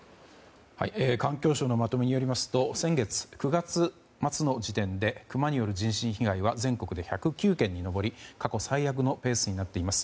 環境省のまとめによりますと先月、９月末の時点でクマによる人身被害は全国で１０９件に上り過去最悪のペースになっています。